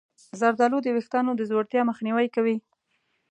زردآلو د ویښتانو د ځوړتیا مخنیوی کوي.